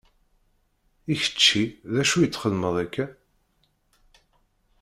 I kečči d acu i txeddmeḍ akka?